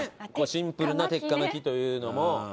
シンプルな鉄火巻というのも。